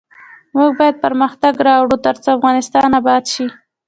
موږ باید پرمختګ راوړو ، ترڅو افغانستان اباد شي.